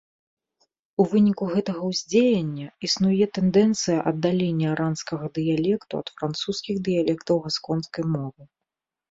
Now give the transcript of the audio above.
У выніку гэтага ўздзеяння існуе тэндэнцыя аддалення аранскага дыялекту ад французскіх дыялектаў гасконскай мовы.